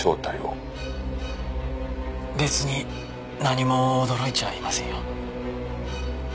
別に何も驚いちゃいませんよ。